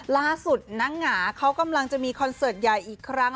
ล่าสุดนางหงาเขากำลังจะมีคอนเสิร์ตใหญ่อีกครั้ง